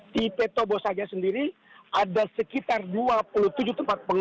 di petobo saja sendiri ada sekitar dua puluh tujuh tempat pengungsi